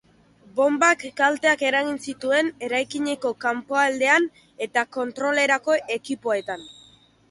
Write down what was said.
Bonbak kalteak eragin zituen eraikineko kanpoaldean eta kontrolerako ekipoetan.